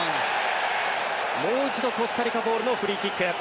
もう一度コスタリカボールのフリーキック。